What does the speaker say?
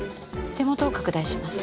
手元を拡大します。